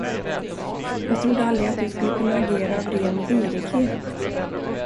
Jag trodde aldrig att du skulle kunna agera av ren girighet.